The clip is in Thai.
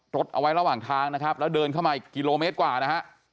รถเอาไว้ระหว่างทางนะครับแล้วเดินเข้ามาอีกกิโลเมตรกว่านะฮะ